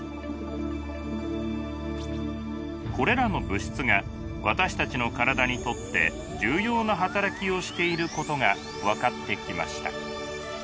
これらの物質が私たちの体にとって重要な働きをしていることが分かってきました。